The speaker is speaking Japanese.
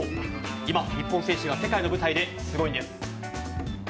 今、日本選手が世界の舞台ですごいんです。